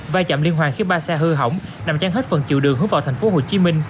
vai chạm liên hoàn khiến ba xe hư hỏng nằm chăn hết phần chiều đường hướng vào tp hcm